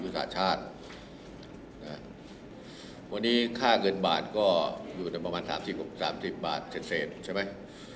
วันนี้ค่าเงินบาทก็อยู่ในประมาณ๓๖๓๐บาทเฉศใช่ไหม